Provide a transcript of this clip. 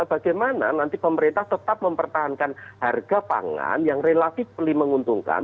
bagaimana nanti pemerintah tetap mempertahankan harga pangan yang relatif menguntungkan